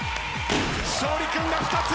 勝利君が２つ。